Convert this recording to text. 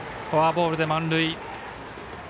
フォアボールで満塁。